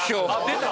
出た！